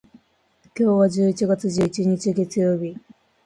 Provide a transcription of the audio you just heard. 今日は十一月十一日、月曜日。